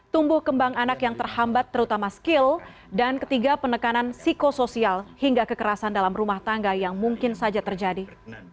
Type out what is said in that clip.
tumbuh kembang anak yang terhambat terutama skill dan ketiga penekanan psikosoial hingga kekerasan dalam rumah tangga yang mungkin saja terjadi